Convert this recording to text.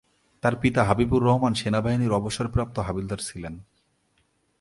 তার পিতা হাবিবুর রহমান সেনাবাহিনীর অবসরপ্রাপ্ত হাবিলদার ছিলেন।